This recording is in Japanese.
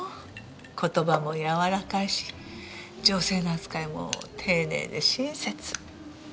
言葉もやわらかいし女性の扱いも丁寧で親切。